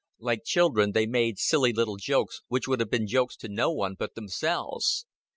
Like children they made silly little jokes which would have been jokes to no one but themselves.